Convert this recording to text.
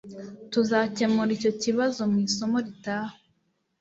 tuzakemura icyo kibazo mu isomo ritaha